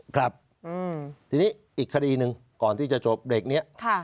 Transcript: ครับทีนี้อีกคดีหนึ่งก่อนที่จะจบเบรกนี้